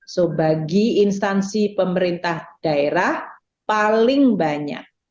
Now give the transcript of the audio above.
jadi bagi instansi pemerintah daerah paling banyak